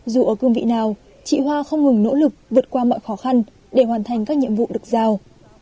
dù ở cương vị nào chị hoa không ngừng nỗ lực vượt qua mọi khó khăn để hoàn thành các nhiệm vụ được giao